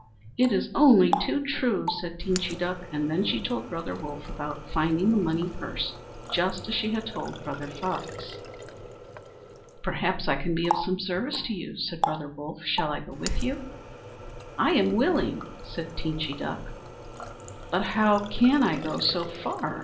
"It is only too true," said Teenchy Duck, and then she told Brother Wolf about finding the money purse, just as she had told Brother Fox. "Perhaps I can be of some service to you," said Brother Wolf. "Shall I go with you?" "I am willing," said Teenchy Duck. "But how can I go so far?"